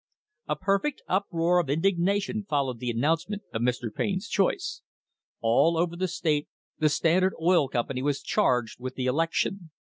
A perfect uproar of indignation followed the announce ment of Mr. Payne's choice. All over the state the Standard Oil Company was charged with the election.